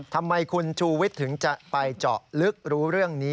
ทำไมคุณชูวิทย์ถึงจะไปเจาะลึกรู้เรื่องนี้